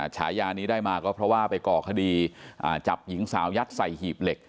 ฉายานี้ได้มาก็เพราะว่าไปก่อคดีจับหญิงสาวยัดใส่หีบเหล็ก